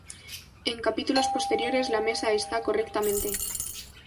En capítulos posteriores, la mesa está correctamente.